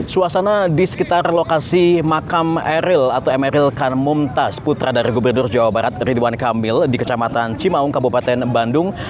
suasana di sekitar lokasi makam eril atau emeril kan mumtaz putra dari gubernur jawa barat ridwan kamil di kecamatan cimaung kabupaten bandung